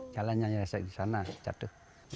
jalan yang nyesek di sana jatuh